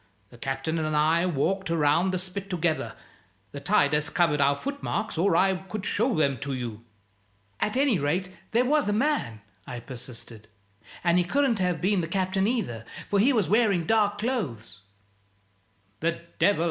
The Captain and I walked around the spit together the tide has covered our footmarks or I could show 'em to you." "At any rate there was a man," I persisted. "And he couldn't have been the Captain either, for he was wearing dark clothes " "The devil!